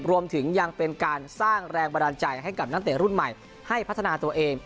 รวมถึงยังเป็นการสร้างแรงบันดาลใจให้กับนักเตะรุ่นใหม่ให้พัฒนาตัวเอง